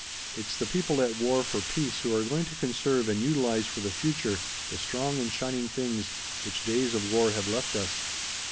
It's the people at war for peace who are going to conserve and utilize for the future the strong and shining things which days of war have left us.